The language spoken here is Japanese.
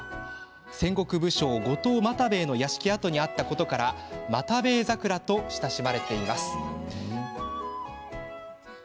戦国武将、後藤又兵衛の屋敷跡にあったことから又兵衛桜と親しまれています。